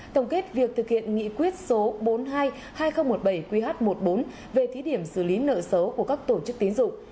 tổng kết việc thực hiện nghị quyết số bốn mươi hai hai nghìn một mươi bảy qh một mươi bốn về thí điểm xử lý nợ xấu của các tổ chức tín dụng